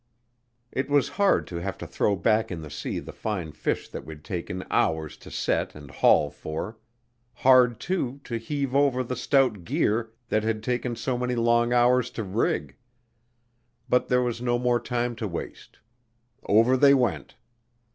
It was hard to have to throw back in the sea the fine fish that we'd taken hours to set and haul for; hard, too, to heave over the stout gear that had taken so many long hours to rig. But there was no more time to waste over they went.